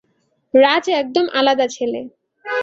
রাজ একদম আলাদা ছেলে।